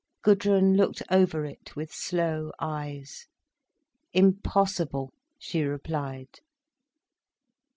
Gudrun looked over it with slow eyes. "Impossible," she replied.